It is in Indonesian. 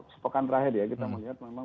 sepekan terakhir ya kita melihat memang